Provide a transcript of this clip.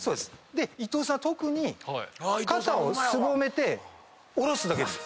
で伊藤さんは特に肩をすぼめて下ろすだけでいいです。